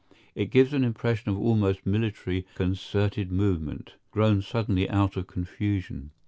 It gives an impression of almost military concerted movement, grown suddenly out of confusion.